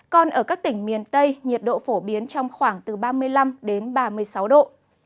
còn ở các tỉnh miền tây nhiệt độ phổ biến trong khoảng từ ba mươi năm đến ba mươi sáu độ